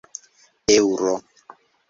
eŭro